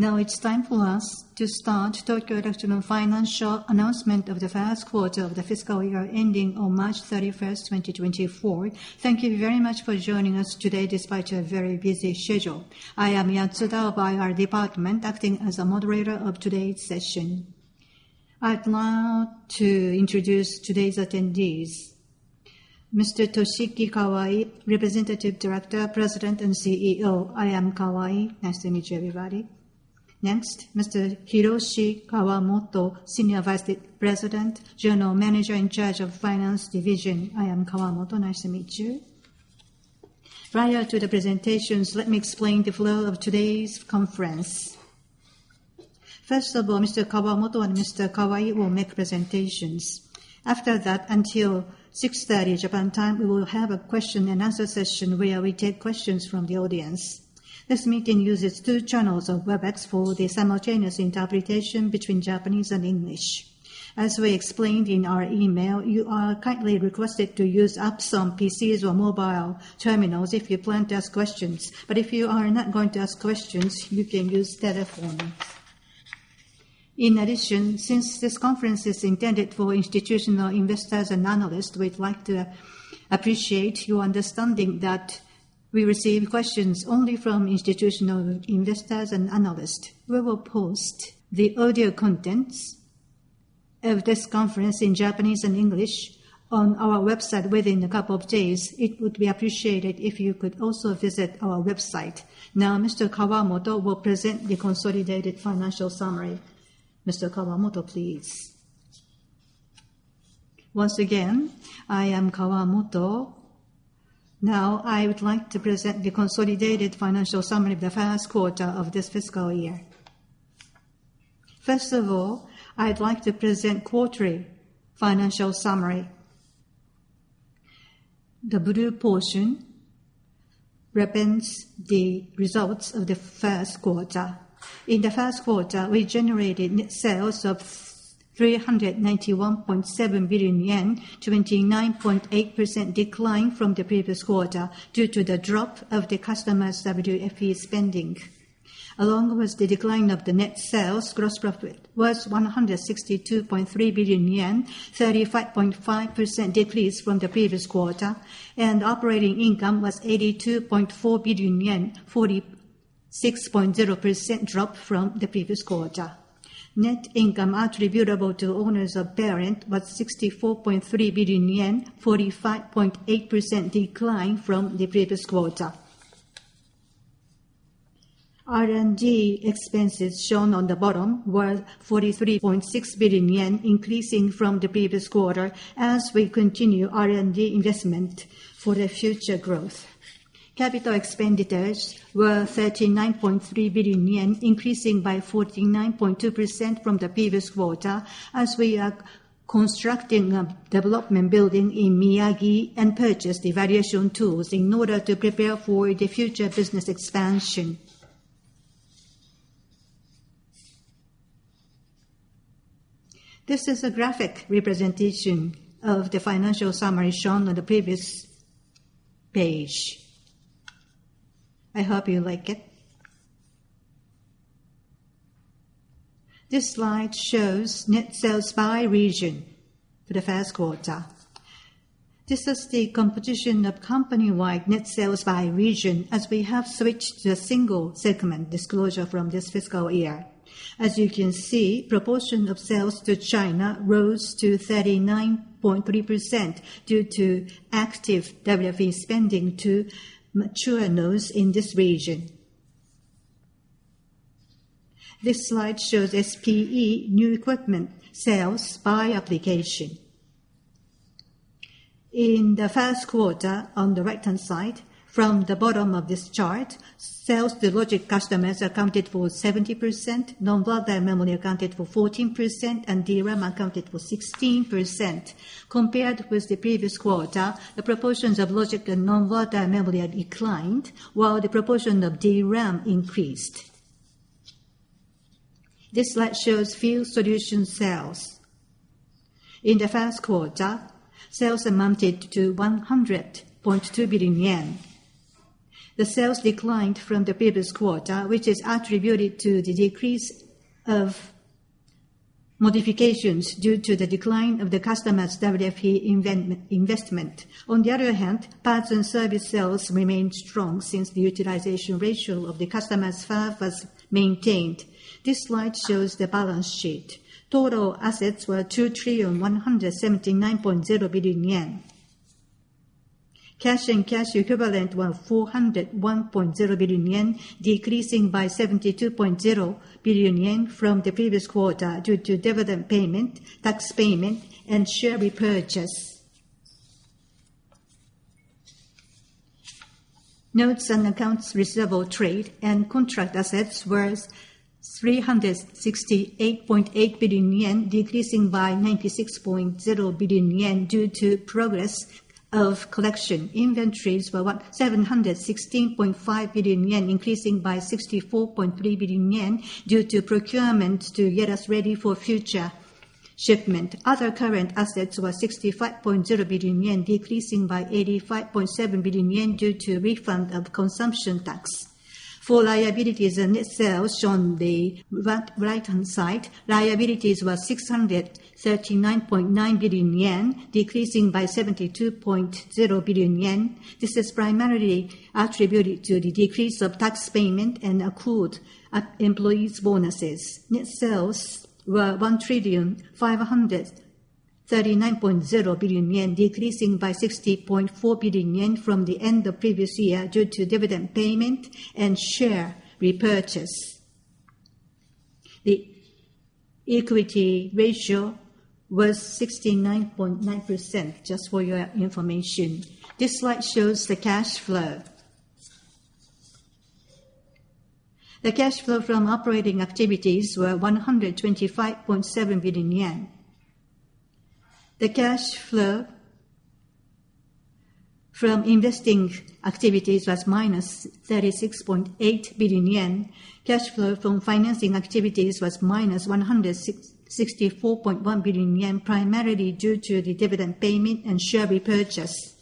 Now it's time for us to start Tokyo Electron financial announcement of the first quarter of the fiscal year ending on March 31, 2024. Thank you very much for joining us today despite your very busy schedule. I am Yatsuda of IR department, acting as a moderator of today's session. I'd like to introduce today's attendees. Mr. Toshiki Kawai, Representative Director, President, and CEO. I am Kawai. Nice to meet you, everybody. Next, Mr. Hiroshi Kawamoto, Senior Vice President, General Manager in charge of Finance Division. I am Kawamoto. Nice to meet you. Prior to the presentations, let me explain the flow of today's conference. First of all, Mr. Kawamoto and Mr. Kawai will make presentations. After that, until 6:30 P.M. Japan time, we will have a question and answer session where we take questions from the audience. This meeting uses two channels of Webex for the simultaneous interpretation between Japanese and English. As we explained in our email, you are kindly requested to use apps on PCs or mobile terminals if you plan to ask questions. If you are not going to ask questions, you can use telephone. In addition, since this conference is intended for institutional investors and analysts, we'd like to appreciate your understanding that we receive questions only from institutional investors and analysts. We will post the audio contents of this conference in Japanese and English on our website within two days. It would be appreciated if you could also visit our website. Mr. Kawamoto will present the consolidated financial summary. Mr. Kawamoto, please. Once again, I am Kawamoto. I would like to present the consolidated financial summary of the first quarter of this fiscal year. First of all, I'd like to present quarterly financial summary. The blue portion represents the results of the first quarter. In the first quarter, we generated net sales of 391.7 billion yen, 29.8% decline from the previous quarter, due to the drop of the customer's WFE spending. Along with the decline of the net sales, gross profit was 162.3 billion yen, 35.5% decrease from the previous quarter, and operating income was 82.4 billion yen, 46.0% drop from the previous quarter. Net income attributable to owners of parent was 64.3 billion yen, 45.8% decline from the previous quarter. R&D expenses shown on the bottom were 43.6 billion yen, increasing from the previous quarter as we continue R&D investment for the future growth. Capital expenditures were 39.3 billion yen, increasing by 49.2% from the previous quarter, as we are constructing a development building in Miyagi and purchased evaluation tools in order to prepare for the future business expansion. This is a graphic representation of the financial summary shown on the previous page. I hope you like it. This slide shows net sales by region for the first quarter. This is the competition of company-wide net sales by region, as we have switched to a single segment disclosure from this fiscal year. As you can see, proportion of sales to China rose to 39.3% due to active WFE spending to mature nodes in this region. This slide shows SPE new equipment sales by application. In the first quarter, on the right-hand side, from the bottom of this chart, sales to logic customers accounted for 70%, non-volatile memory accounted for 14%, and DRAM accounted for 16%. Compared with the previous quarter, the proportions of logic and non-volatile memory have declined, while the proportion of DRAM increased. This slide shows few solution sales. In the first quarter, sales amounted to 100.2 billion yen. The sales declined from the previous quarter, which is attributed to the decrease of modifications due to the decline of the customer's WFE investment. On the other hand, parts and service sales remained strong since the utilization ratio of the customer's fab was maintained. This slide shows the balance sheet. Total assets were 2,179.0 billion yen. Cash and cash equivalent were 401.0 billion yen, decreasing by 72.0 billion yen from the previous quarter due to dividend payment, tax payment, and share repurchase. Notes and accounts receivable trade and contract assets were 368.8 billion yen, decreasing by 96.0 billion yen due to progress of collection. Inventories were what? 716.5 billion yen, increasing by 64.3 billion yen due to procurement to get us ready for future shipment. Other current assets were 65.0 billion yen, decreasing by 85.7 billion yen due to refund of consumption tax. For liabilities and net sales, shown on the right, right-hand side, liabilities were 639.9 billion yen, decreasing by 72.0 billion yen. This is primarily attributed to the decrease of tax payment and accrued, employees' bonuses. Net sales were 1,539.0 billion yen, decreasing by 60.4 billion yen from the end of previous year, due to dividend payment and share repurchase. The equity ratio was 69.9%, just for your information. This slide shows the cash flow. The cash flow from operating activities were 125.7 billion yen. The cash flow from investing activities was minus 36.8 billion yen. Cash flow from financing activities was minus 164.1 billion yen, primarily due to the dividend payment and share repurchase.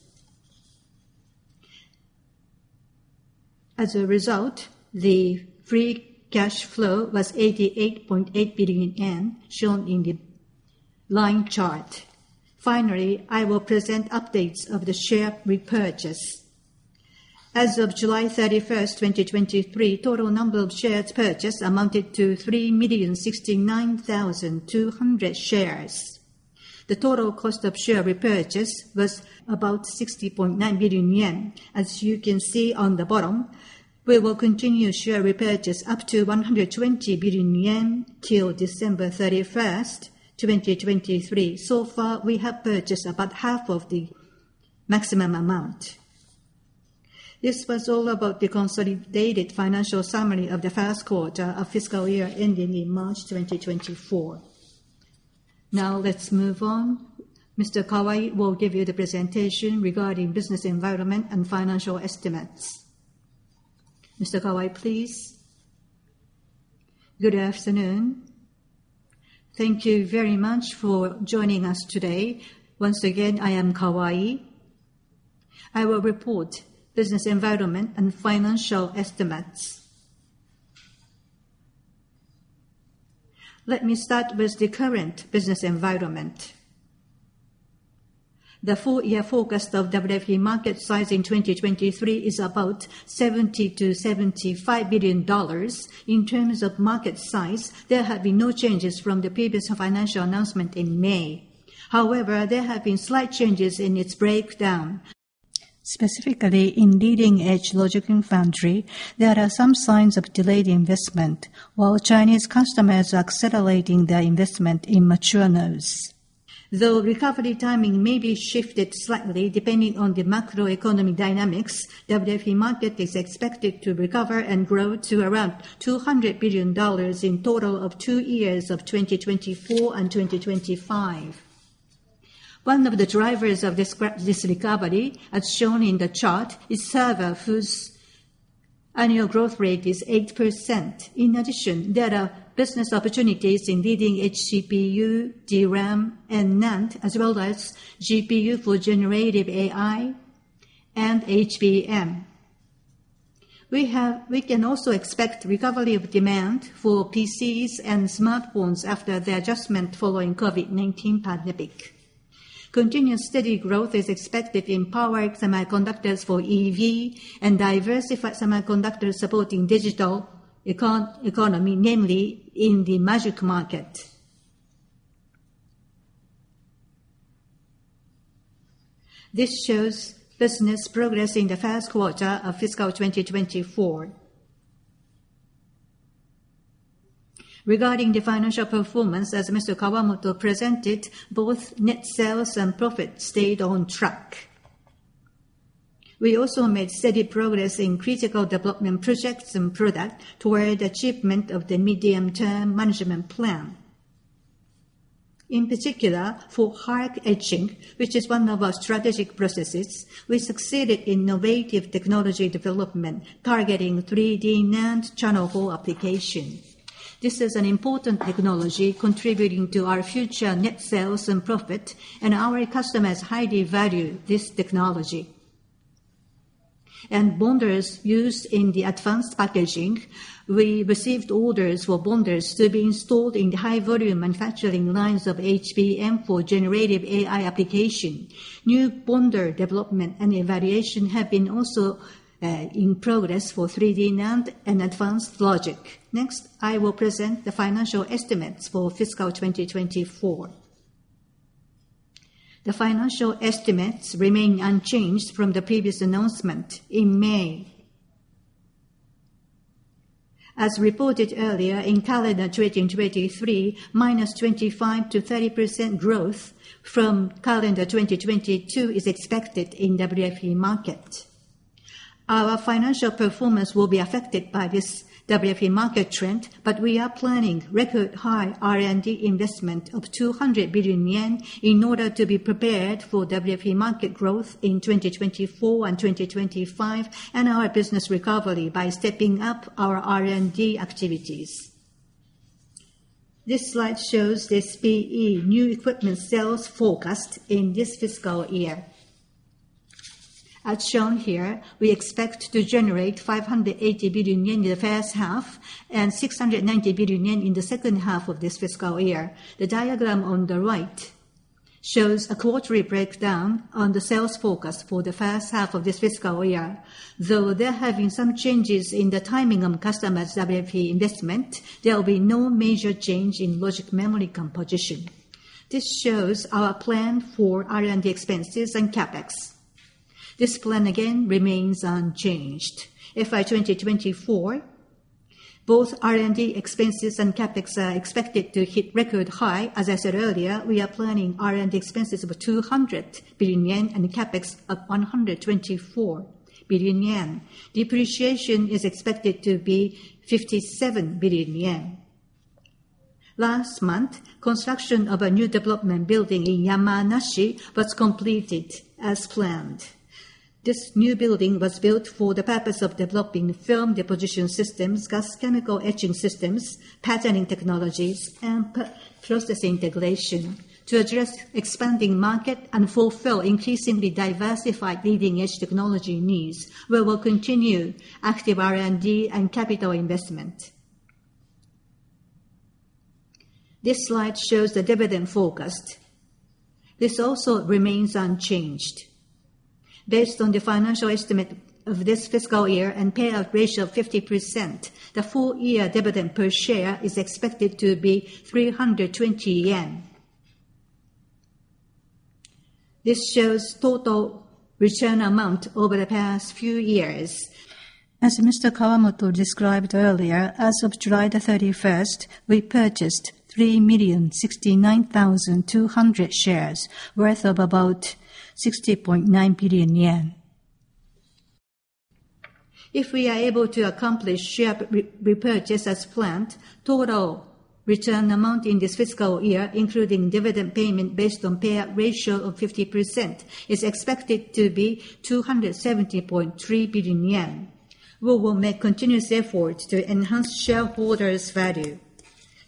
As a result, the free cash flow was 88.8 billion yen, shown in the line chart. Finally, I will present updates of the share repurchase. As of July 31st, 2023, total number of shares purchased amounted to 3,069,200 shares. The total cost of share repurchase was about 60.9 billion yen. As you can see on the bottom, we will continue share repurchase up to 120 billion yen till December 31st, 2023. Far, we have purchased about half of the maximum amount. This was all about the consolidated financial summary of the first quarter of fiscal year ending in March 2024. Now, let's move on. Mr. Kawai will give you the presentation regarding business environment and financial estimates. Mr. Kawai, please. Good afternoon. Thank you very much for joining us today. Once again, I am Kawai. I will report business environment and financial estimates. Let me start with the current business environment. The full year forecast of WFE market size in 2023 is about $70 billion-$75 billion. In terms of market size, there have been no changes from the previous financial announcement in May. There have been slight changes in its breakdown. Specifically, in leading-edge logic and foundry, there are some signs of delayed investment, while Chinese customers are accelerating their investment in mature nodes. Recovery timing may be shifted slightly, depending on the macroeconomic dynamics, WFE market is expected to recover and grow to around $200 billion in total of 2 years of 2024 and 2025. One of the drivers of this recovery, as shown in the chart, is server, whose annual growth rate is 8%. There are business opportunities in leading-edge CPU, DRAM, and NAND, as well as GPU for generative AI and HBM. We can also expect recovery of demand for PCs and smartphones after the adjustment following COVID-19 pandemic. Continuous steady growth is expected in power semiconductors for EV and diversified semiconductors supporting digital economy, namely in the logic market. This shows business progress in the first quarter of fiscal 2024. Regarding the financial performance, as Mr. Kawamoto presented, both net sales and profit stayed on track. We also made steady progress in critical development projects and product toward achievement of the medium-term management plan. In particular, for hard etching, which is one of our strategic processes, we succeeded in innovative technology development, targeting 3D NAND channel hole application. This is an important technology contributing to our future net sales and profit, and our customers highly value this technology. Bonders used in the advanced packaging, we received orders for bonders to be installed in the high-volume manufacturing lines of HBM for generative AI application. New bonder development and evaluation have been also in progress for 3D NAND and advanced logic. Next, I will present the financial estimates for fiscal 2024. The financial estimates remain unchanged from the previous announcement in May. As reported earlier, in calendar 2023, -25% to -30% growth from calendar 2022 is expected in WFE market. Our financial performance will be affected by this WFE market trend, but we are planning record high R&D investment of 200 billion yen in order to be prepared for WFE market growth in 2024 and 2025, and our business recovery by stepping up our R&D activities. This slide shows the SPE new equipment sales forecast in this fiscal year. As shown here, we expect to generate 580 billion yen in the first half, and 690 billion yen in the second half of this fiscal year. The diagram on the right shows a quarterly breakdown on the sales forecast for the first half of this fiscal year. Though there have been some changes in the timing of customers' WFE investment, there will be no major change in logic memory composition. This shows our plan for R&D expenses and CapEx. This plan again remains unchanged. FY 2024, both R&D expenses and CapEx are expected to hit record high. As I said earlier, we are planning R&D expenses of 200 billion yen and CapEx of 124 billion yen. Depreciation is expected to be 57 billion yen. Last month, construction of a new development building in Yamanashi was completed as planned. This new building was built for the purpose of developing film deposition systems, gas chemical etching systems, patterning technologies, and process integration to address expanding market and fulfill increasingly diversified leading-edge technology needs. We will continue active R&D and capital investment. This slide shows the dividend forecast. This also remains unchanged. Based on the financial estimate of this fiscal year and payout ratio of 50%, the full year dividend per share is expected to be 320 yen. This shows total return amount over the past few years. As Mr. Kawamoto described earlier, as of July the 31st, we purchased 3,069,200 shares, worth of about 60.9 billion yen. If we are able to accomplish share re-repurchase as planned, total return amount in this fiscal year, including dividend payment, based on payout ratio of 50%, is expected to be 270.3 billion yen. We will make continuous efforts to enhance shareholders' value.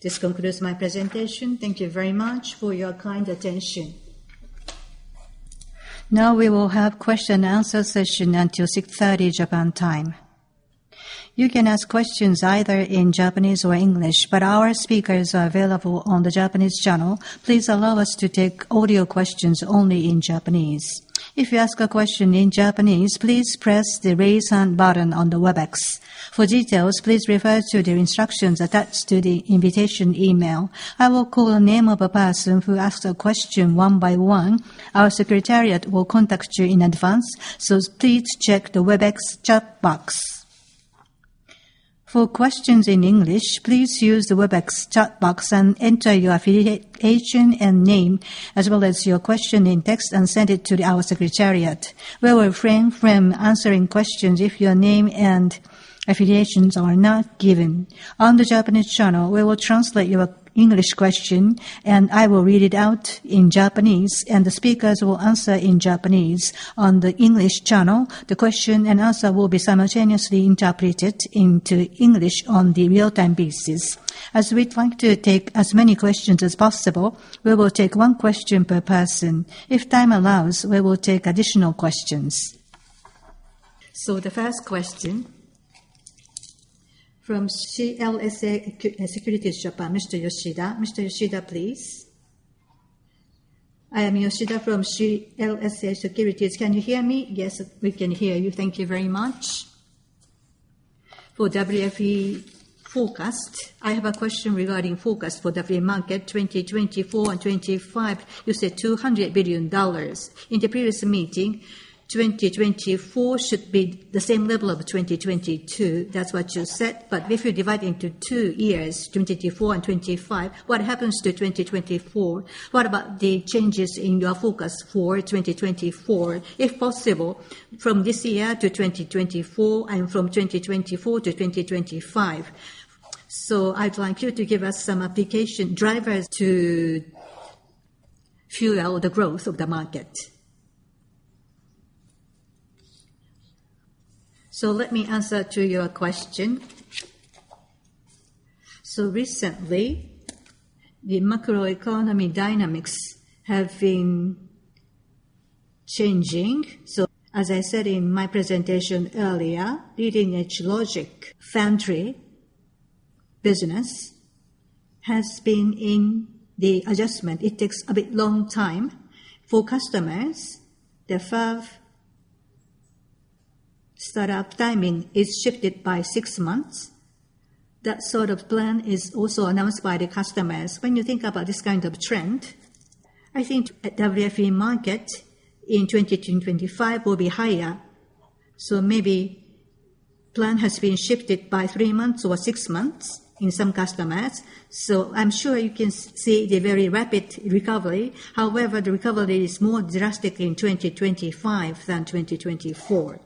This concludes my presentation. Thank you very much for your kind attention. We will have question and answer session until 6:30 P.M., Japan time. You can ask questions either in Japanese or English, but our speakers are available on the Japanese channel. Please allow us to take audio questions only in Japanese. If you ask a question in Japanese, please press the Raise Hand button on the Webex. For details, please refer to the instructions attached to the invitation email. I will call the name of a person who asks a question one by one. Our secretariat will contact you in advance, so please check the Webex chat box. For questions in English, please use the Webex chat box and enter your affiliation and name, as well as your question in text, and send it to our secretariat. We will refrain from answering questions if your name and affiliations are not given. On the Japanese channel, we will translate your English question, and I will read it out in Japanese, and the speakers will answer in Japanese. On the English channel, the question and answer will be simultaneously interpreted into English on the real-time basis. As we try to take as many questions as possible, we will take one question per person. If time allows, we will take additional questions. The first question from CLSA Securities Japan, Mr. Yoshida. Mr. Yoshida, please. I am Yoshida from CLSA Securities. Can you hear me? Yes, we can hear you. Thank you very much. For WFE forecast, I have a question regarding forecast for WFE market 2024 and 2025. You said $200 billion. In the previous meeting, 2024 should be the same level of 2022. That's what you said, but if you divide into 2 years, 2024 and 2025, what happens to 2024? What about the changes in your forecast for 2024? If possible, from this year to 2024, and from 2024 to 2025. I'd like you to give us some application drivers to fuel the growth of the market. Let me answer to your question. Recently, the macroeconomy dynamics have been changing. As I said in my presentation earlier, leading-edge logic foundry business has been in the adjustment. It takes a bit long time for customers. The fab startup timing is shifted by 6 months. That sort of plan is also announced by the customers. When you think about this kind of trend, I think the WFE market in 2025 will be higher. Maybe plan has been shifted by 3 months or 6 months in some customers. I'm sure you can see the very rapid recovery. However, the recovery is more drastic in 2025 than 2024.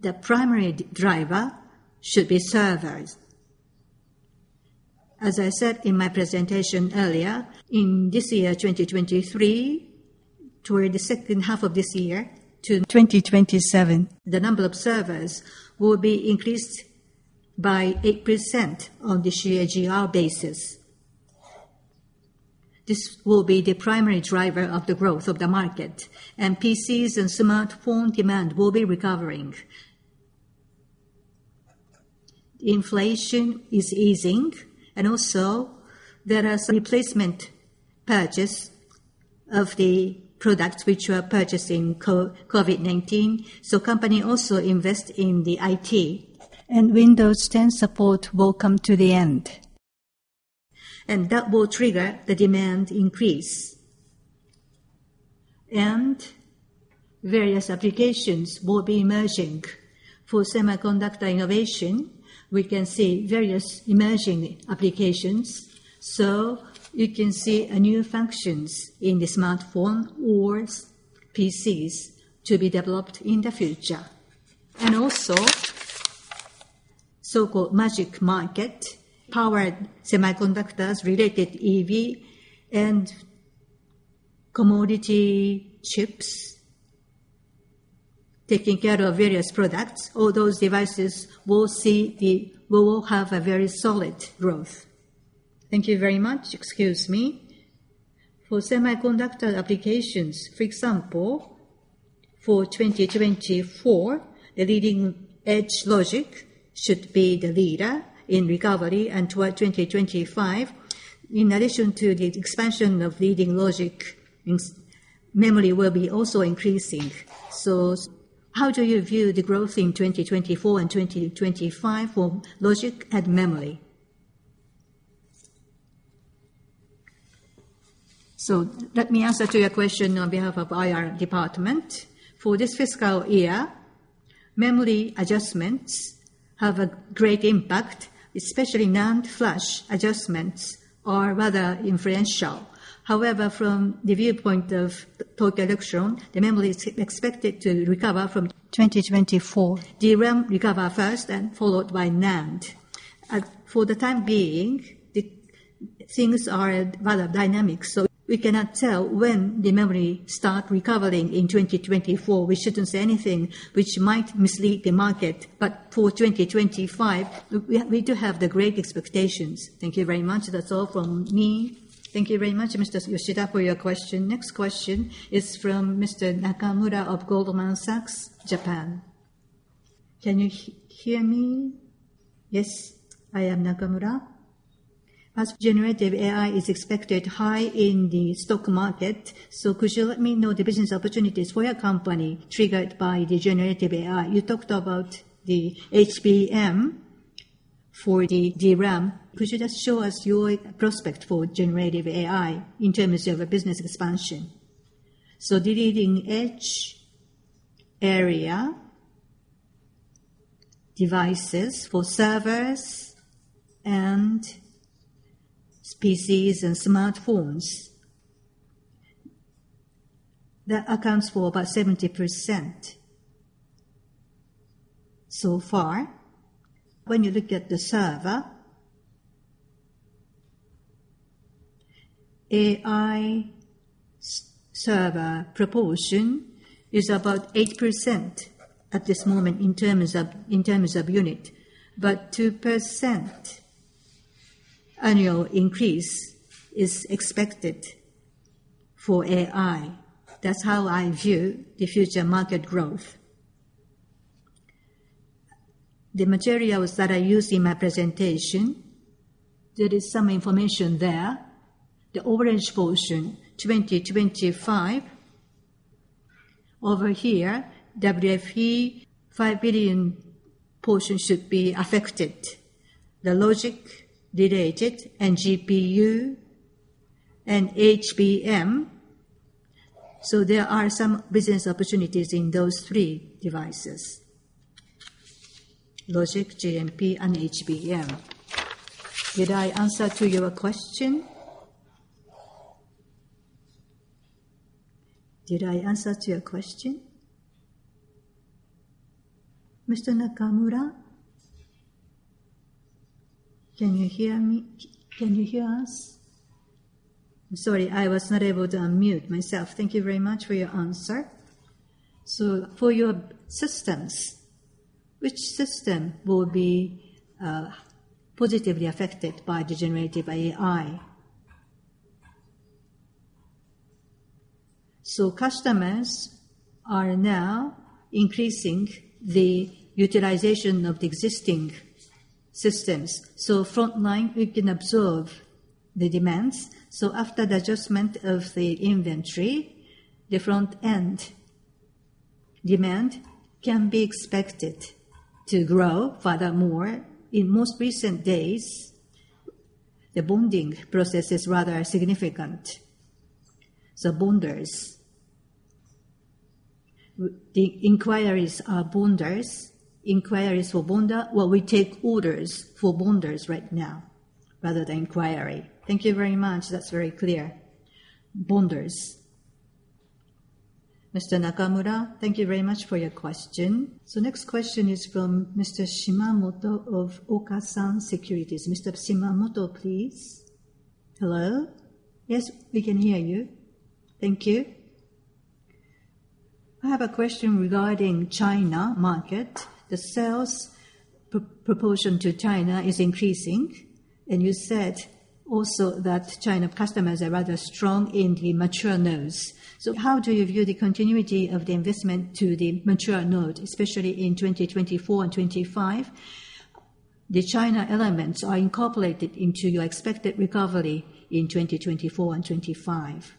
The primary driver should be servers. As I said in my presentation earlier, in this year, 2023-... Toward the second half of this year to 2027, the number of servers will be increased by 8% on the share CAGR basis. This will be the primary driver of the growth of the market, and PCs and smartphone demand will be recovering. Inflation is easing, and also there are some replacement purchase of the products which were purchased in COVID-19, so company also invest in the IT. Windows 10 support will come to the end, and that will trigger the demand increase. Various applications will be emerging. For semiconductor innovation, we can see various emerging applications, so you can see new functions in the smartphone or PCs to be developed in the future. Also, so-called magic market, powered semiconductors, related EV, and commodity chips, taking care of various products, all those devices will have a very solid growth. Thank you very much. Excuse me. For semiconductor applications, for example, for 2024, the leading-edge logic should be the leader in recovery, and toward 2025, in addition to the expansion of leading logic, in, memory will be also increasing. How do you view the growth in 2024 and 2025 for logic and memory? Let me answer to your question on behalf of IR department. For this fiscal year, memory adjustments have a great impact, especially NAND flash adjustments are rather influential. However, from the viewpoint of Tokyo Electron, the memory is expected to recover from 2024. The RAM recover first and followed by NAND. For the time being, the things are rather dynamic, so we cannot tell when the memory start recovering in 2024. We shouldn't say anything which might mislead the market, but for 2025, we do have the great expectations. Thank you very much. That's all from me. Thank you very much, Mr. Yoshida, for your question. Next question is from Mr. Nakamura of Goldman Sachs Japan. Can you hear me? Yes, I am Nakamura. As generative AI is expected high in the stock market, could you let me know the business opportunities for your company triggered by the generative AI? You talked about the HBM for the DRAM. Could you just show us your prospect for generative AI in terms of a business expansion? The leading edge area, devices for servers and PCs and smartphones, that accounts for about 70%. So far, when you look at the server, AI server proportion is about 8% at this moment in terms of, in terms of unit, but 2% annual increase is expected for AI. That's how I view the future market growth. The materials that I used in my presentation, there is some information there. The orange portion, 2025, over here, WFE 5 billion portion should be affected, the logic related, and GPU, and HBM. There are some business opportunities in those three devices: logic, GPU, and HBM. Did I answer to your question? Did I answer to your question? Mr. Nakamura, can you hear me? Can you hear us? I'm sorry, I was not able to unmute myself. Thank you very much for your answer. For your systems, which system will be positively affected by the generative AI? Customers are now increasing the utilization of the existing systems. Frontline, we can observe the demands. After the adjustment of the inventory, the front-end demand can be expected to grow furthermore. In most recent days, the bonding process is rather significant. Bonders, the inquiries are bonders. Inquiries for bonder. Well, we take orders for bonders right now, rather than inquiry. Thank you very much. That's very clear. Bonders. Nakamura, thank you very much for your question. Next question is from Mr. Shimamoto of Okasan Securities. Mr. Shimamoto, please. Hello? Yes, we can hear you. Thank you. I have a question regarding China market. The sales proportion to China is increasing, and you said also that China customers are rather strong in the mature nodes. How do you view the continuity of the investment to the mature node, especially in 2024 and 2025? China elements are incorporated into your expected recovery in 2024 and 2025.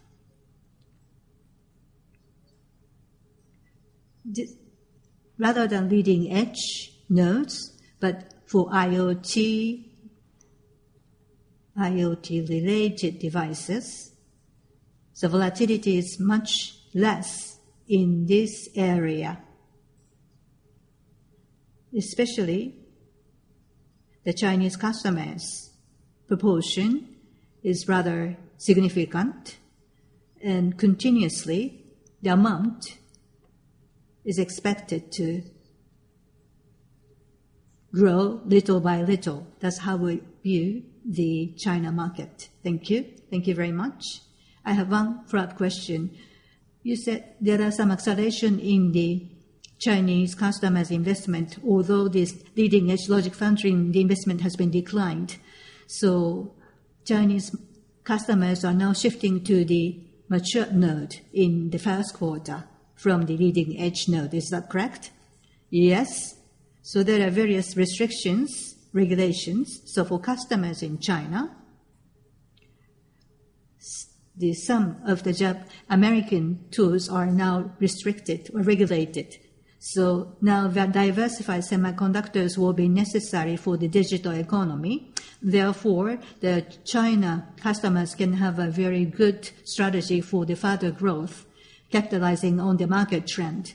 Rather than leading-edge nodes, but for IoT, IoT-related devices, the volatility is much less in this area. Especially, the Chinese customers' proportion is rather significant, and continuously, the amount is expected to grow little by little. That's how we view the China market. Thank you. Thank you very much. I have one follow-up question. You said there are some acceleration in the Chinese customers' investment, although this leading-edge logic foundry, the investment has been declined. So Chinese customers are now shifting to the mature node in the first quarter from the leading-edge node. Is that correct? Yes. There are various restrictions, regulations. For customers in China, the some of the American tools are now restricted or regulated. Now the diversified semiconductors will be necessary for the digital economy. Therefore, the China customers can have a very good strategy for the further growth, capitalizing on the market trend.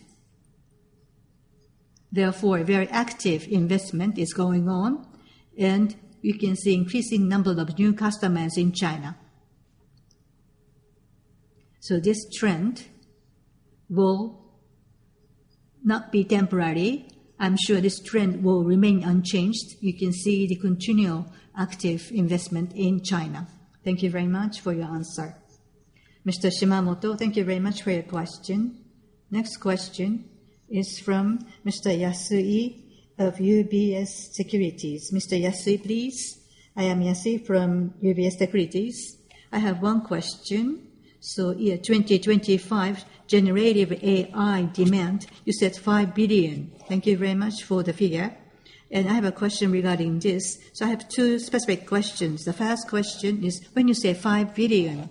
Therefore, a very active investment is going on, and we can see increasing number of new customers in China. This trend will not be temporary. I'm sure this trend will remain unchanged. You can see the continual active investment in China. Thank you very much for your answer. Mr. Shimamoto, thank you very much for your question. Next question is from Mr. Yasui of UBS Securities. Mr. Yasui, please. I am Yasui from UBS Securities. I have question. Year 2025, generative AI demand, you said $5 billion. Thank you very much for the figure, and I have a question regarding this. I have two specific questions. The first question is, when you say $5 billion,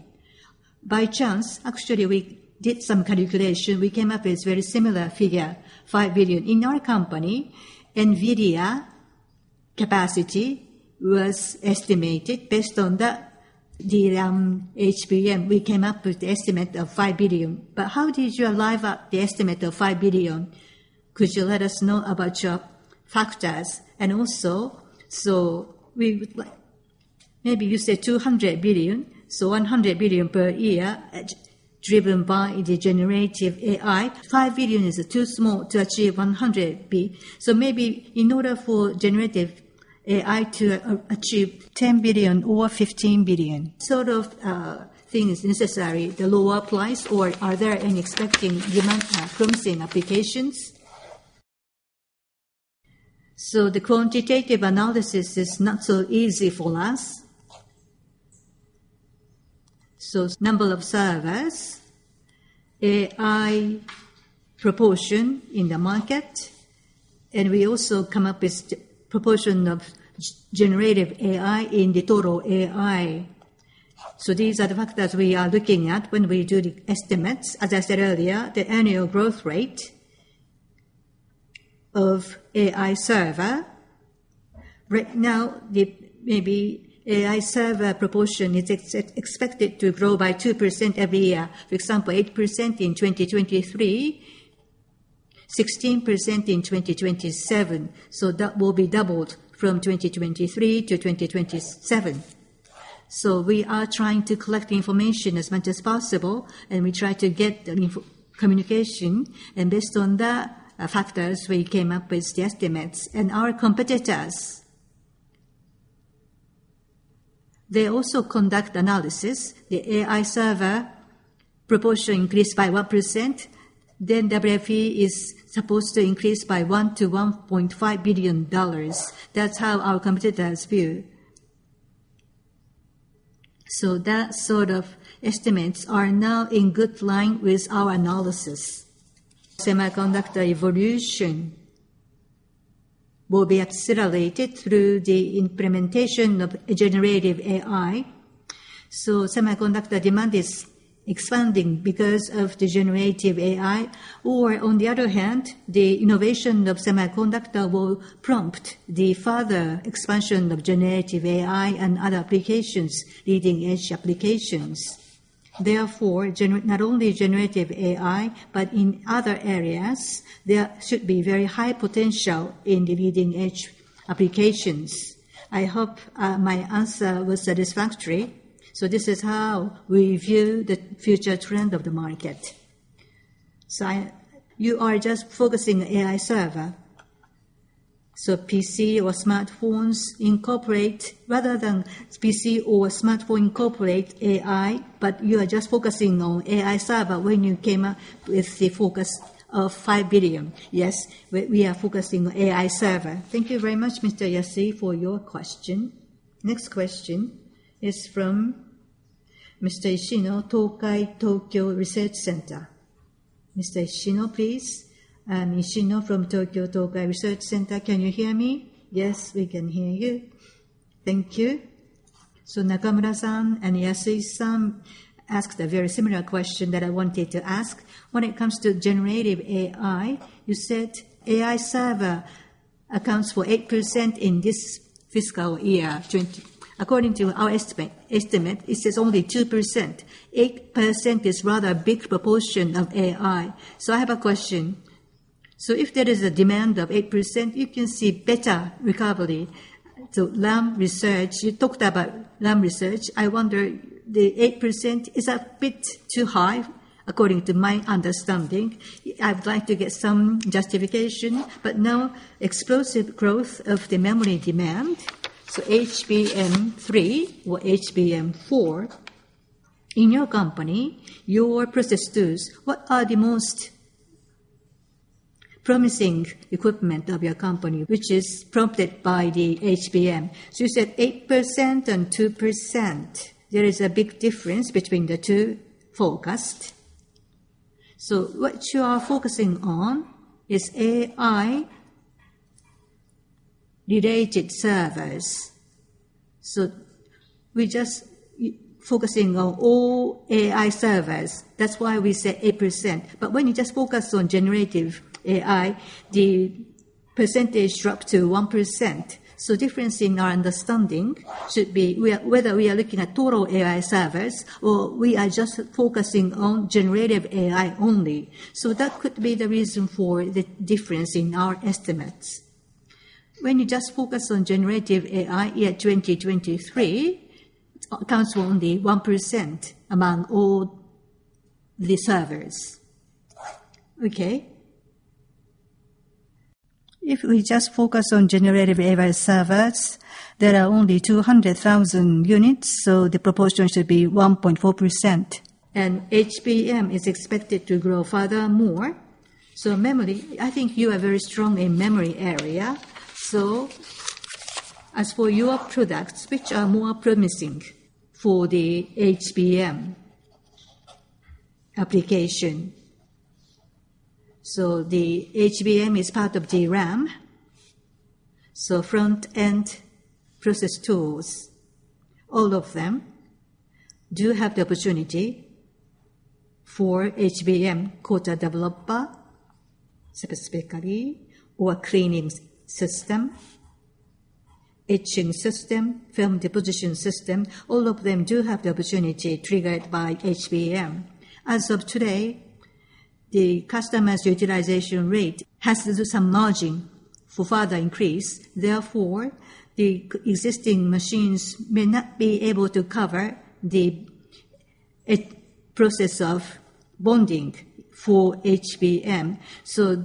by chance, actually, we did some calculation, we came up with a very similar figure, $5 billion. In our company, NVIDIA capacity was estimated based on the DRAM HBM. We came up with the estimate of $5 billion. How did you arrive at the estimate of $5 billion? Could you let us know about your factors? Also, we would like... Maybe you say 200 billion, so 100 billion per year, driven by the generative AI. 5 billion is too small to achieve 100 billion. Maybe in order for generative AI to achieve 10 billion or 15 billion, what sort of thing is necessary, the lower price, or are there any expecting demand from the applications? The quantitative analysis is not so easy for us. Number of servers, AI proportion in the market, and we also come up with the proportion of generative AI in the total AI. These are the factors we are looking at when we do the estimates. As I said earlier, the annual growth rate of AI server, right now, the maybe AI server proportion is expected to grow by 2% every year. For example, 8% in 2023, 16% in 2027, that will be doubled from 2023 to 2027. We are trying to collect information as much as possible, and we try to get the info communication, and based on the factors, we came up with the estimates. Our competitors, they also conduct analysis. The AI server proportion increased by 1%, then WFE is supposed to increase by $1 billion-$1.5 billion. That's how our competitors view. That sort of estimates are now in good line with our analysis. Semiconductor evolution will be accelerated through the implementation of generative AI. Semiconductor demand is expanding because of the generative AI. On the other hand, the innovation of semiconductor will prompt the further expansion of generative AI and other applications, leading-edge applications. Therefore, not only generative AI, but in other areas, there should be very high potential in the leading-edge applications. I hope my answer was satisfactory. This is how we view the future trend of the market. You are just focusing on AI server. PC or smartphones incorporate, rather than PC or smartphone incorporate AI, but you are just focusing on AI server when you came up with the focus of $5 billion? Yes, we are focusing on AI server. Thank you very much, Mr. Yasui, for your question. Next question is from Mr. Ishino, Tokai Tokyo Research Center. Mr. Ishino, please. I'm Ishino from Tokai Tokyo Research Center. Can you hear me? Yes, we can hear you. Thank you. Nakamura-san and Yasui-san asked a very similar question that I wanted to ask. When it comes to generative AI, you said AI server accounts for 8% in this fiscal year. According to our estimate, it says only 2%. 8% is rather a big proportion of AI. I have a question. If there is a demand of 8%, you can see better recovery. Lam Research, you talked about Lam Research, I wonder, the 8% is a bit too high, according to my understanding. I'd like to get some justification, but no explosive growth of the memory demand, HBM3 or HBM4. In your company, your process tools, what are the most promising equipment of your company, which is prompted by the HBM? You said 8% and 2%. There is a big difference between the two forecast. What you are focusing on is AI-related servers. We're just focusing on all AI servers, that's why we say 8%. When you just focus on generative AI, the percentage drop to 1%. Difference in our understanding should be, whether we are looking at total AI servers, or we are just focusing on generative AI only. That could be the reason for the difference in our estimates. When you just focus on generative AI, year 2023, accounts for only 1% among all the servers. Okay. If we just focus on generative AI servers, there are only 200,000 units, so the proportion should be 1.4%. HBM is expected to grow further more. Memory, I think you are very strong in memory area. As for your products, which are more promising for the HBM application? The HBM is part of the RAM. Front-end process tools, all of them do have the opportunity for HBM Coater/Developer, specifically, or Cleaning System, Etching System, Film Deposition System, all of them do have the opportunity triggered by HBM. As of today, the customers' utilization rate has some margin for further increase. Therefore, the existing machines may not be able to cover the process of bonding for HBM.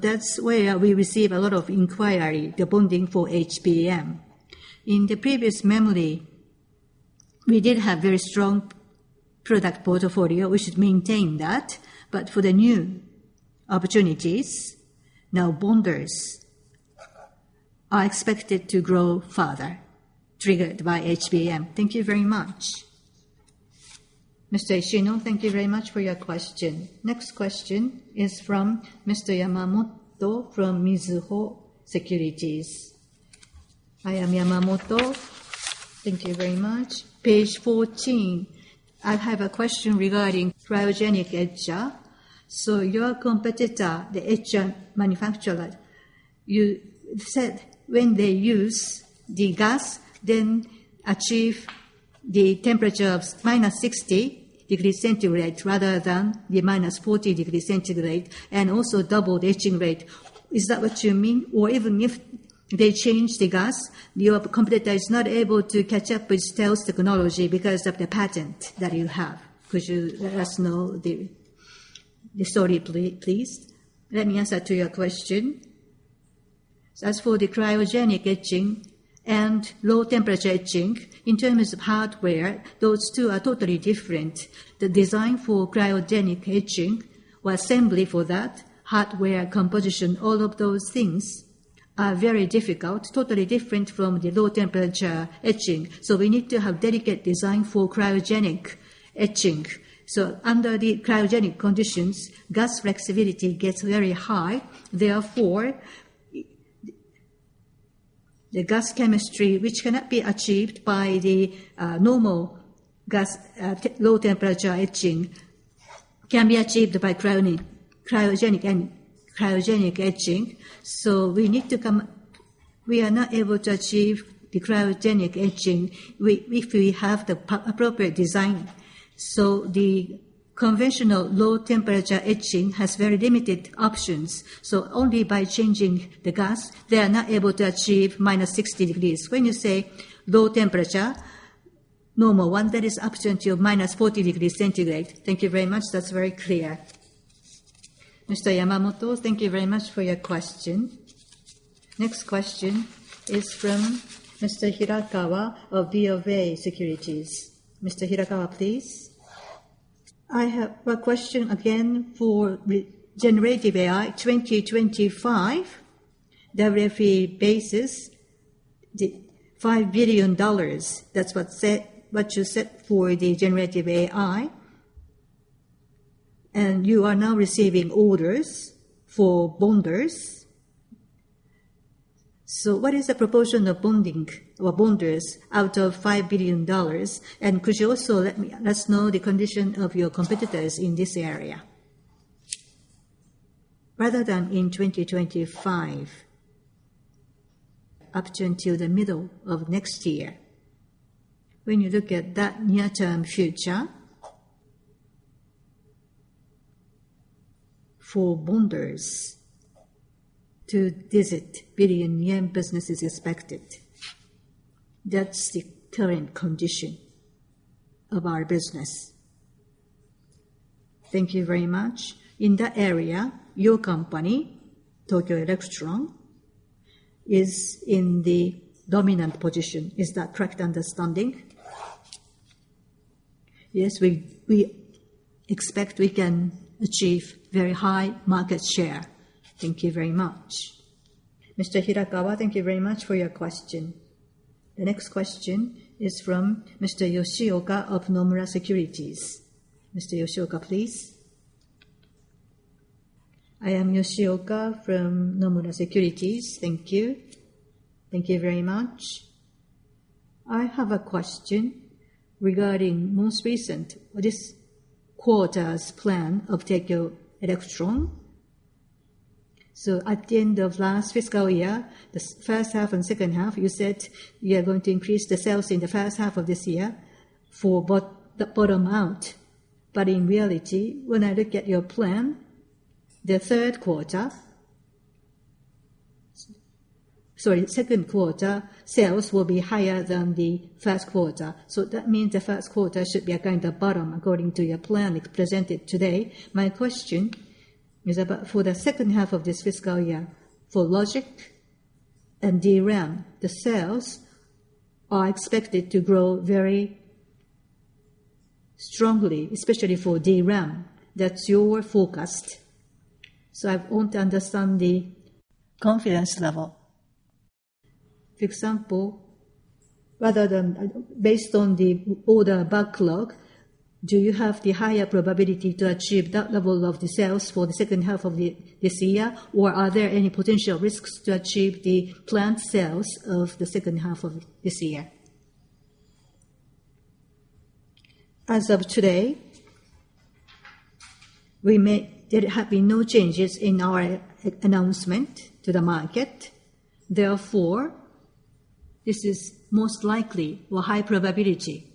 That's where we receive a lot of inquiry, the bonding for HBM. In the previous memory, we did have very strong product portfolio, we should maintain that. For the new opportunities, now Bonders are expected to grow further, triggered by HBM. Thank you very much. Mr. Ishino, thank you very much for your question. Next question is from Mr. Yamamoto, from Mizuho Securities. I am Yamamoto. Thank you very much. Page 14, I have a question regarding Cryogenic Etcher. Your competitor, the etcher manufacturer, you said when they use the gas, then achieve the temperature of -60 degrees centigrade, rather than the -40 degrees centigrade, and also doubled etching rate. Is that what you mean? Even if they change the gas, your competitor is not able to catch up with those technology because of the patent that you have. Could you let us know the story please? Let me answer to your question. As for the cryogenic etching and low temperature etching, in terms of hardware, those two are totally different. The design for cryogenic etching or assembly for that, hardware composition, all of those things are very difficult, totally different from the low temperature etching. We need to have delicate design for cryogenic etching. Under the cryogenic conditions, gas flexibility gets very high. Therefore, the gas chemistry, which cannot be achieved by the normal gas, low temperature etching, can be achieved by cryogenic and cryogenic etching. We need to come. We are not able to achieve the cryogenic etching if we have the appropriate design. The conventional low temperature etching has very limited options, so only by changing the gas, they are not able to achieve -60 degrees Celsius. When you say low temperature, normal one, that is up to -40 degrees Celsius. Thank you very much. That's very clear. Mr. Yamamoto, thank you very much for your question. Next question is from Mr. Hirakawa of BofA Securities. Mr. Hirakawa, please. I have a question again for generative AI. 2025, WFE basis, the $5 billion, that's what you said for the generative AI. You are now receiving orders for bonders. What is the proportion of bonding or bonders out of $5 billion? Could you also let us know the condition of your competitors in this area? Rather than in 2025, up until the middle of next year, when you look at that near-term future, for bonders, two-digit JPY billion business is expected. That's the current condition of our business. Thank you very much. In that area, your company, Tokyo Electron, is in the dominant position. Is that correct understanding? Yes, we expect we can achieve very high market share. Thank you very much. Mr. Hirakawa, thank you very much for your question. The next question is from Mr. Yoshioka of Nomura Securities. Mr. Yoshioka, please. I am Yoshioka from Nomura Securities. Thank you. Thank you very much. I have a question regarding most recent, this quarter's plan of Tokyo Electron. At the end of last fiscal year, the first half and second half, you said you are going to increase the sales in the first half of this year for the bottom out. In reality, when I look at your plan, the third quarter... Sorry, second quarter, sales will be higher than the first quarter. That means the first quarter should be a kind of bottom, according to your plan presented today. My question is about for the second half of this fiscal year, for logic and DRAM, the sales are expected to grow very strongly, especially for DRAM. That's your forecast. I want to understand the confidence level. For example, rather than based on the order backlog, do you have the higher probability to achieve that level of the sales for the second half of this year? Are there any potential risks to achieve the planned sales of the second half of this year? As of today, there have been no changes in our announcement to the market. Therefore, this is most likely or high probability.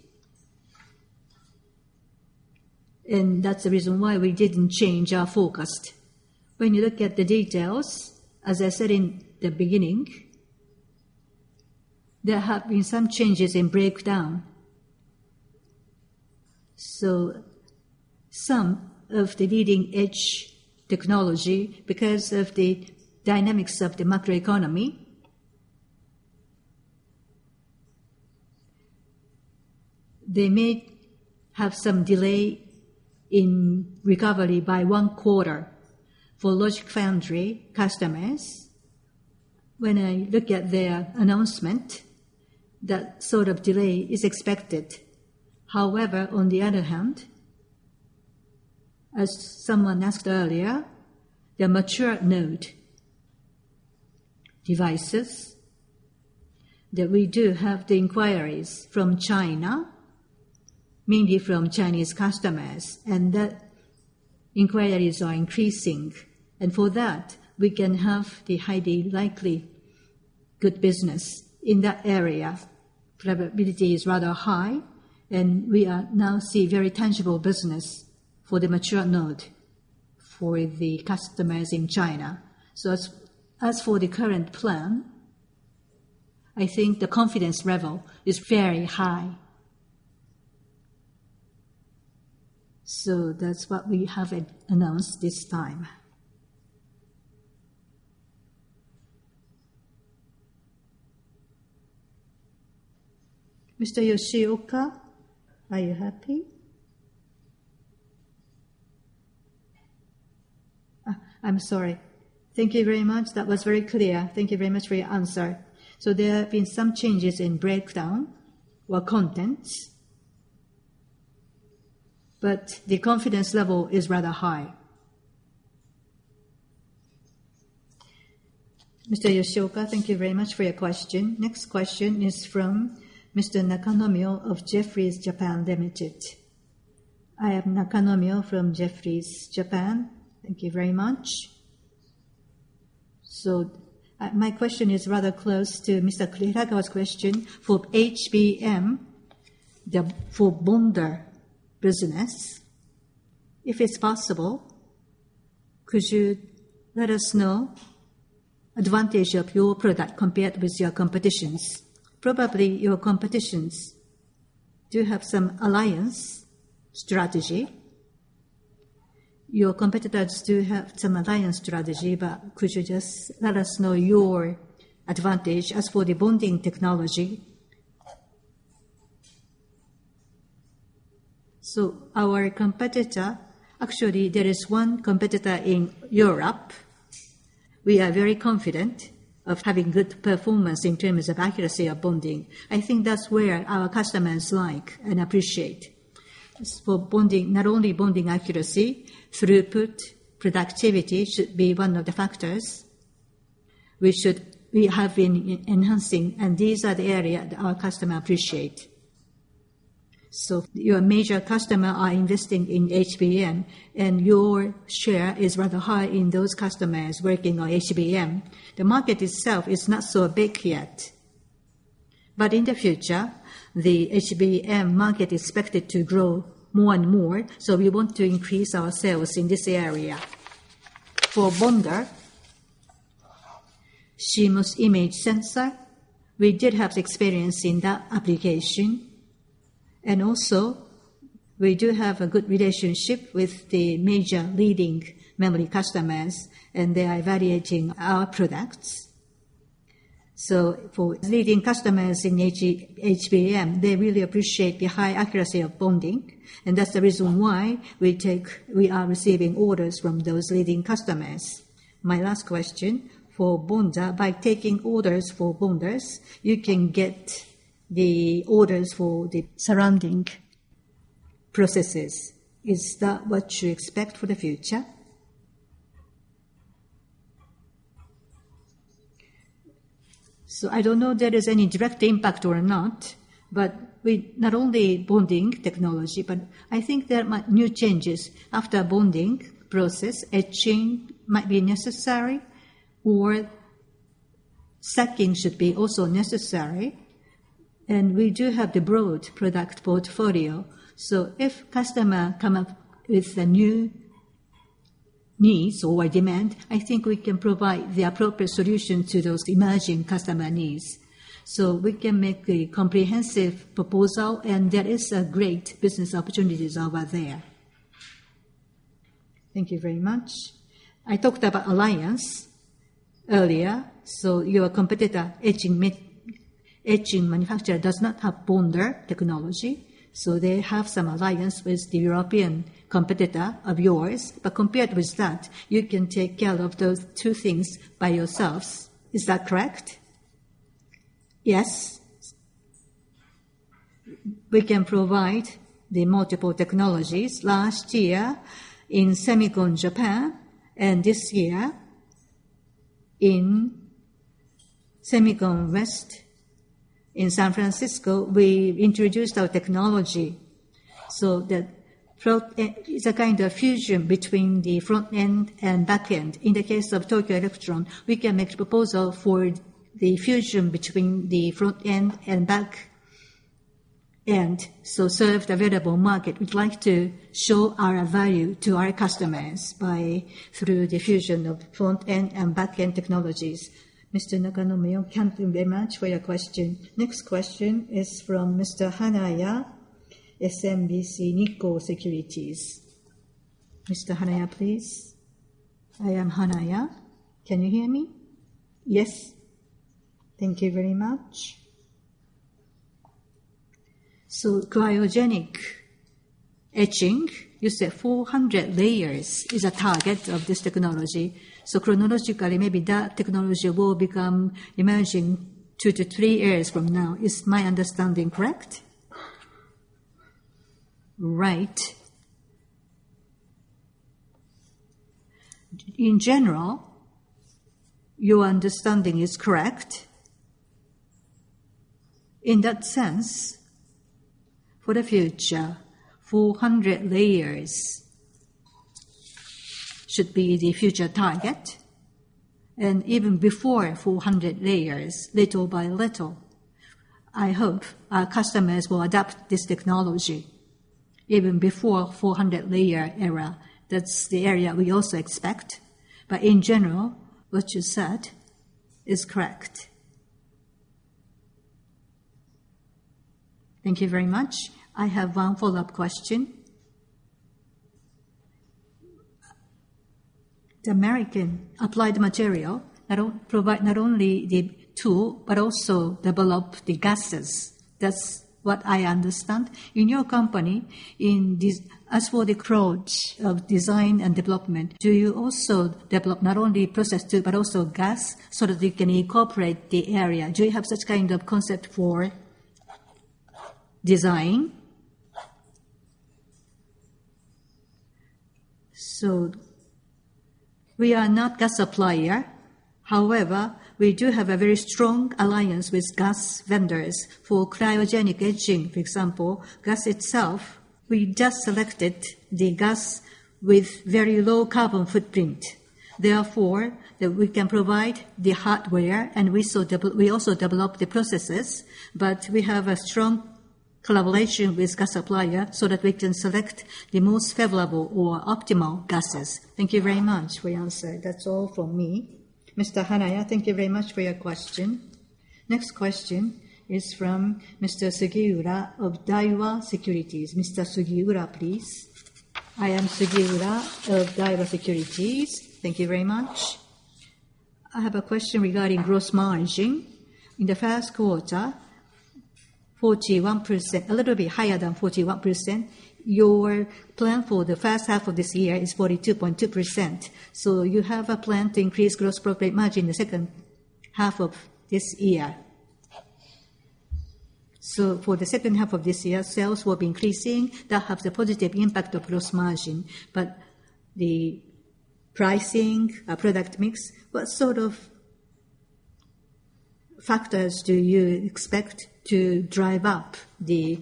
That's the reason why we didn't change our forecast. When you look at the details, as I said in the beginning, there have been some changes in breakdown. Some of the leading-edge technology, because of the dynamics of the macroeconomy, they may have some delay in recovery by 1/4. For logic foundry customers, when I look at their announcement, that sort of delay is expected. However, on the other hand, as someone asked earlier, the mature node devices, that we do have the inquiries from China, mainly from Chinese customers, and the inquiries are increasing. For that, we can have the highly likely good business in that area. Probability is rather high, and we are now see very tangible business for the mature node, for the customers in China. As for the current plan, I think the confidence level is very high. That's what we have announced this time. Mr. Yoshioka, are you happy? I'm sorry. Thank you very much. That was very clear. Thank you very much for your answer. There have been some changes in breakdown or contents, but the confidence level is rather high. Mr. Yoshioka, thank you very much for your question. Next question is from Mr. Nakanomyo of Jefferies Japan Limited. I am Nakanomyo from Jefferies Japan. Thank you very much. My question is rather close to Mr. Kurahashi's question. For HBM, for bonder business, if it's possible, could you let us know advantage of your product compared with your competitions? Probably your competitions do have some alliance strategy. Your competitors do have some alliance strategy, could you just let us know your advantage as for the bonding technology? Our competitor, actually, there is one competitor in Europe. We are very confident of having good performance in terms of accuracy of bonding. I think that's where our customers like and appreciate. For bonding, not only bonding accuracy, throughput, productivity should be one of the factors. We have been e-enhancing, and these are the area that our customer appreciate. Your major customer are investing in HBM, and your share is rather high in those customers working on HBM. The market itself is not so big yet. In the future, the HBM market is expected to grow more and more. We want to increase our sales in this area. For bonder, CMOS image sensor, we did have experience in that application. Also, we do have a good relationship with the major leading memory customers. They are evaluating our products. For leading customers in HBM, they really appreciate the high accuracy of bonding, and that's the reason why we are receiving orders from those leading customers. My last question, for bonder, by taking orders for bonders, you can get the orders for the surrounding processes. Is that what you expect for the future? I don't know there is any direct impact or not, but we not only bonding technology, but I think there are new changes. After bonding process, etching might be necessary or stacking should be also necessary, and we do have the broad product portfolio. If customer come up with the new needs or a demand, I think we can provide the appropriate solution to those emerging customer needs. We can make a comprehensive proposal, and there is a great business opportunities over there. Thank you very much. I talked about alliance earlier. Your competitor, etching manufacturer, does not have bonder technology, so they have some alliance with the European competitor of yours. Compared with that, you can take care of those two things by yourselves. Is that correct? Yes. We can provide the multiple technologies. Last year, in SEMICON Japan, and this year in SEMICON West, in San Francisco, we introduced our technology. The front end is a kind of fusion between the front end and back end. In the case of Tokyo Electron, we can make proposal for the fusion between the front end and back end, serve the available market. We'd like to show our value to our customers by, through the fusion of front end and back end technologies. Mr. Nakanomyo, thank you very much for your question. Next question is from Mr. Hanaya, SMBC Nikko Securities. Mr. Hanaya, please. I am Hanaya. Can you hear me? Yes. Thank you very much. Cryogenic etching, you said 400 layers is a target of this technology. Chronologically, maybe that technology will become emerging two-three years from now. Is my understanding correct? Right. In general, your understanding is correct. In that sense, for the future, 400 layers should be the future target, and even before 400 layers, little by little, I hope our customers will adopt this technology. Even before 400 layer era, that's the area we also expect, but in general, what you said is correct. Thank you very much. I have one follow-up question. The American Applied Materials provide not only the tool but also develop the gases. That's what I understand. In your company, as for the approach of design and development, do you also develop not only process tool, but also gas, so that you can incorporate the area? Do you have such kind of concept for design? We are not gas supplier. However, we do have a very strong alliance with gas vendors. For cryogenic etching, for example, we just selected the gas with very low carbon footprint. That we can provide the hardware, we also develop the processes, we have a strong collaboration with gas supplier, so that we can select the most favorable or optimal gases. Thank you very much for your answer. That's all from me. Mr. Hanaya, thank you very much for your question. Next question is from Mr. Sugiura of Daiwa Securities. Mr. Sugiura, please. I am Sugiura of Daiwa Securities. Thank you very much. I have a question regarding gross margin. In the first quarter, 41%, a little bit higher than 41%, your plan for the first half of this year is 42.2%. You have a plan to increase gross profit margin in the second half of this year. For the second half of this year, sales will be increasing, that have the positive impact of gross margin. The pricing, product mix, what sort of factors do you expect to drive up the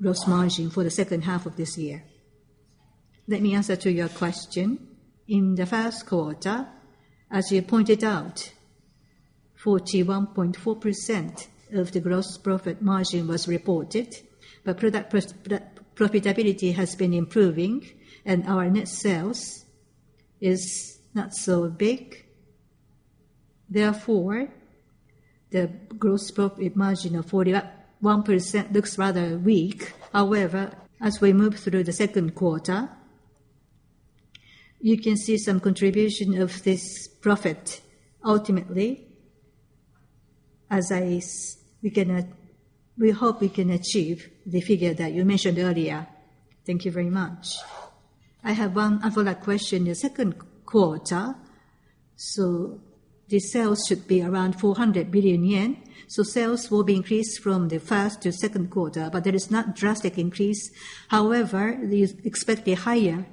gross margin for the second half of this year? Let me answer to your question. In the first quarter, as you pointed out, 41.4% of the gross profit margin was reported, but product profitability has been improving, and our net sales is not so big. Therefore, the gross profit margin of 41% looks rather weak. However, as we move through the second quarter, you can see some contribution of this profit. Ultimately, as we can, we hope we can achieve the figure that you mentioned earlier. Thank you very much. I have one follow-up question. The second quarter, the sales should be around 400 billion yen. Sales will be increased from the first to second quarter, but there is not drastic increase. However, you expect a higher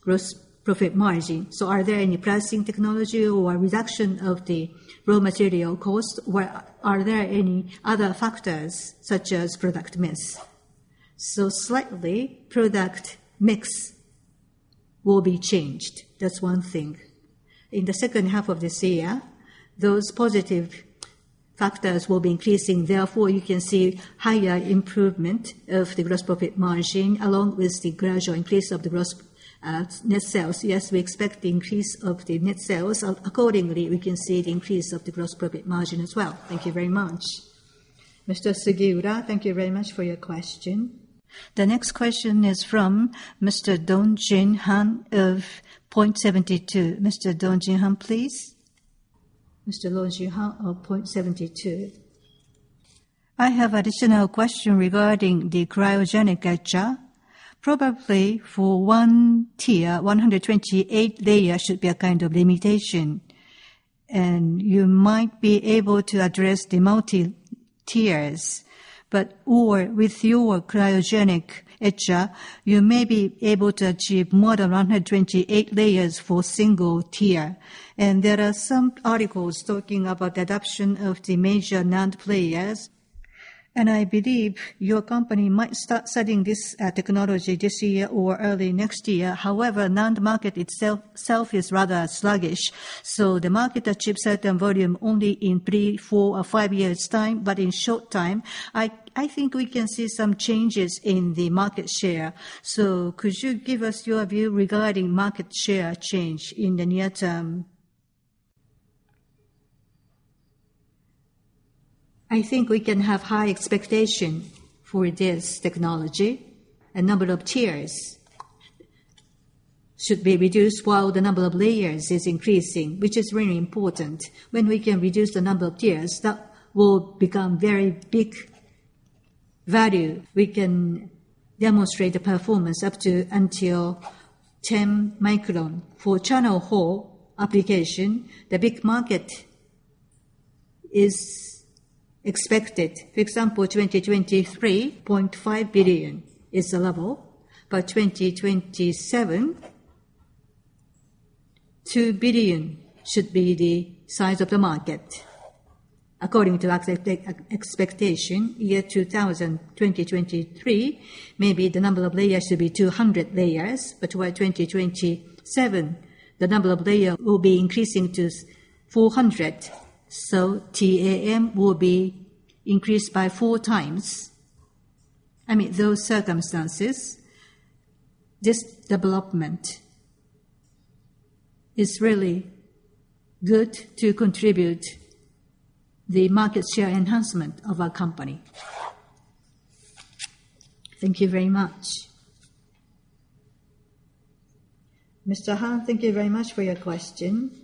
gross profit margin. Are there any pricing technology or reduction of the raw material cost, or are there any other factors, such as product mix? Slightly, product mix will be changed. That's one thing. In the second half of this year, those positive factors will be increasing, therefore, you can see higher improvement of the gross profit margin, along with the gradual increase of the gross net sales. Yes, we expect the increase of the net sales. Accordingly, we can see the increase of the gross profit margin as well. Thank you very much. Mr. Sugiura, thank you very much for your question. The next question is from Mr. Dong-je Jin of Point72. Mr. Dong-je Jin, please. Mr. Dong-je Jin of Point72. I have additional question regarding the Cryogenic Etcher. Probably for one tier, 128 layer should be a kind of limitation, and you might be able to address the multi-tiers. With your Cryogenic Etcher, you may be able to achieve more than 128 layers for 1 tier. There are some articles talking about the adoption of the major NAND players, and I believe your company might start selling this technology this year or early next year. However, NAND market itself, self is rather sluggish, so the market achieve certain volume only in 3, 4, or 5 years' time. In short time, I, I think we can see some changes in the market share. Could you give us your view regarding market share change in the near term? I think we can have high expectation for this technology. The number of tiers should be reduced while the number of layers is increasing, which is really important. When we can reduce the number of tiers, that will become very big value. We can demonstrate the performance up to until 10 micron. For channel four application, the big market is expected. For example, 2023, $0.5 billion is the level. By 2027, $2 billion should be the size of the market. According to our expectation, year 2023, maybe the number of layers should be 200 layers, but by 2027, the number of layer will be increasing to 400, TAM will be increased by 4 times. I mean, those circumstances, this development is really good to contribute the market share enhancement of our company. Thank you very much. Mr. Jin, thank you very much for your question.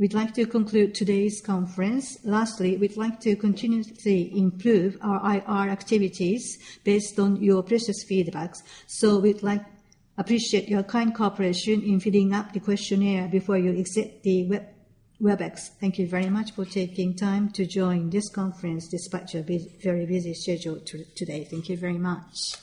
We'd like to conclude today's conference. Lastly, we'd like to continuously improve our IR activities based on your precious feedbacks. We'd like appreciate your kind cooperation in filling out the questionnaire before you exit the web, Webex. Thank you very much for taking time to join this conference, despite your very busy schedule today. Thank you very much.